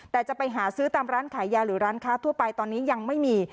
แต่จะไปหาซื้อตามร้านขายยาหรือร้านค้าทั่วไปตอนนี้ยังไม่มี